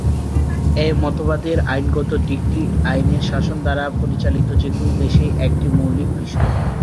এ মতবাদের আইনগত দিকটি আইনের শাসন দ্বারা পরিচালিত যেকোনো দেশেই একটি মৌলিক বিষয়।